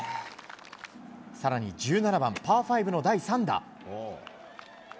更に１７番、パー５の第３打。